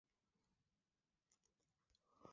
Ugonjwa wa homa ya mapafu hushambulia ngombe tu